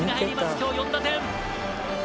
今日４打点！